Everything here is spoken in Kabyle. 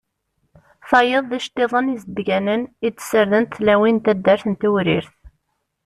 Tayeḍ d iceṭṭiḍen izeddganen i d-ssardent tlawin n taddart n Tewrirt.